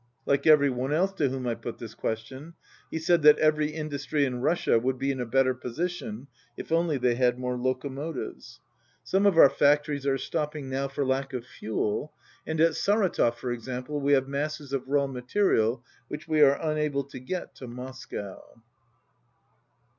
Like every one else to whom I put this question, he said that every industry in Russia would be in a better position if only they had more locomotives. "Some of our fac 149 tories are stopping now for lack of fuel, and at Saratov, for example, we have masses of raw ma terial which we are unable to get to Moscow."